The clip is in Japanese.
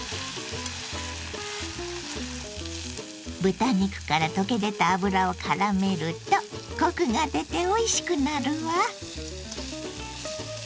豚肉から溶け出た脂をからめるとコクが出ておいしくなるわ。